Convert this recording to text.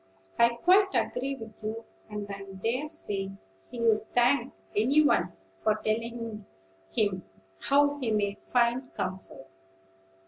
"I quite agree with you; and I dare say he'd thank any one for telling him how he may find comfort.